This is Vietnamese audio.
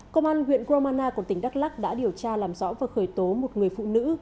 công an huyện gromana của tỉnh đắk lắc đã điều tra làm rõ và khởi tố một người phụ nữ